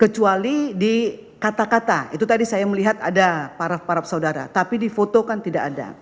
kecuali di kata kata itu tadi saya melihat ada paraf parap saudara tapi di foto kan tidak ada